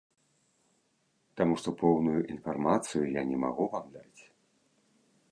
Таму што поўную інфармацыю я не магу вам даць.